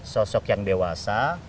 sosok yang dewasa